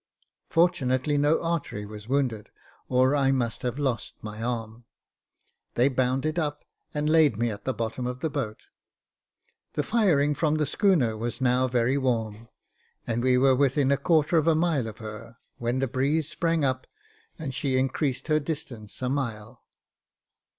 Fortunately no artery was wounded, or I must have lost my arm. They bound it up, and laid me at the bottom of the boat. The firing from the schooner was now very warm ; and we were within a quarter of a mile of her, when the breeze sprang up, and she increased her distance a mile.